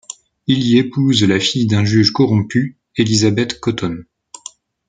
Il y épouse la fille d'un juge corrompu, Elizabeth Cotton.